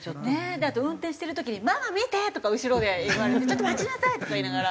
だって運転してる時に「ママ見て！」とか後ろで言われて「ちょっと待ちなさい」とか言いながら。